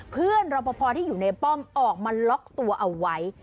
เพื่อนรอประพอร์ที่อยู่ในป้อมออกมาล็อกตัวเอาไว้